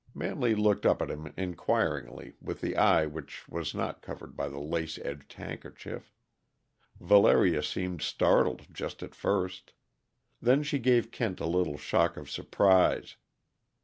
Manley looked up at him inquiringly with the eye which was not covered by the lace edged handkerchief. Valeria seemed startled, just at first. Then she gave Kent a little shock of surprise.